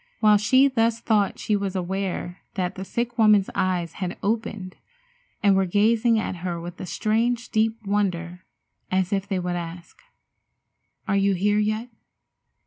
While she thus thought she was aware that the sick woman's eyes had opened and were gazing at her with a strange, deep wonder, as if they would ask: "Are you here yet?